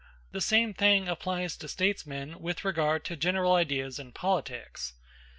The same thing applies to statesmen with regard to general ideas in politics.